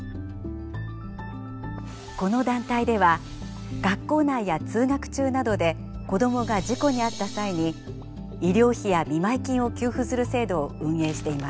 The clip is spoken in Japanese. この団体では学校内や通学中などで子どもが事故に遭った際に医療費や見舞い金を給付する制度を運営しています。